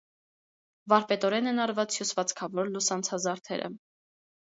Վարպետորեն են արված հյուսվածքավոր լուսանցազարդերը։